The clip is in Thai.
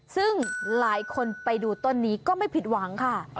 ซึ่งหลายคนไปดูต้นนี้ก็ไม่ผิดหวังค่ะ